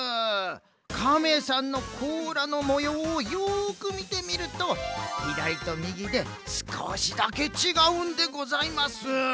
かめさんのこうらのもようをよくみてみるとひだりとみぎですこしだけちがうんでございます。